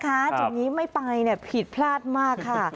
จากนี้ไม่ไปผิดพลาดมากค่ะ